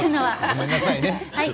ごめんなさいね。